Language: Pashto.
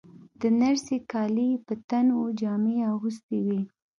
د نرسې کالي یې په تن وو، جامې یې اغوستې وې.